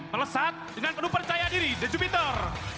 melesat dengan penuh percaya diri the jupiter jupiter roll